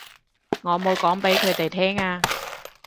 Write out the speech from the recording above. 我冇講畀佢哋聽啊